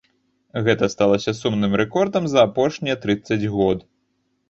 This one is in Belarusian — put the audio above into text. Гэта сталася сумным рэкордам за апошнія трыццаць год.